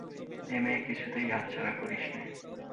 এ মেয়ে কিছুতেই হাতছাড়া করিস নে।